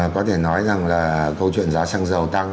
có thể nói rằng là câu chuyện giá xăng dầu tăng